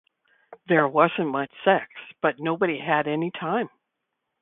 There wasn't much sex, but nobody had any time.